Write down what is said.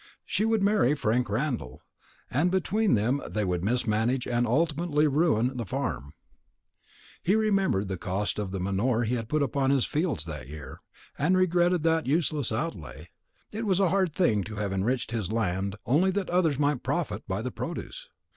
She would marry Frank Randall; and between them they would mismanage, and ultimately ruin, the farm. He remembered the cost of the manure he had put upon his fields that year, and regretted that useless outlay. It was a hard thing to have enriched his land only that others might profit by the produce.